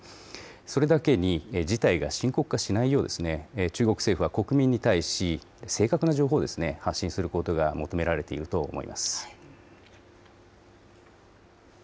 それだけに事態が深刻化しないよう、中国政府は国民に対し、正確な情報を発信することが求められていると思います。